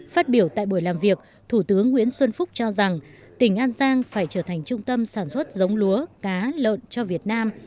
phát biểu tại buổi làm việc thủ tướng nguyễn xuân phúc cho rằng tỉnh an giang phải trở thành trung tâm sản xuất giống lúa cá lợn cho việt nam